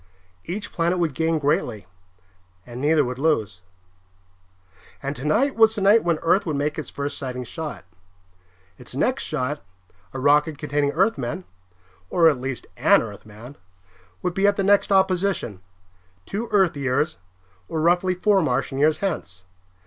Each planet would gain greatly, and neither would lose. And tonight was the night when Earth would make its first sighting shot. Its next shot, a rocket containing Earthmen, or at least an Earthman, would be at the next opposition, two Earth years, or roughly four Martian years, hence.